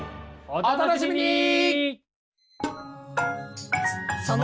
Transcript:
お楽しみに！